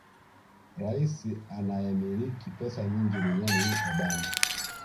Rais anayemiliki pesa nyingi duniani ni Obama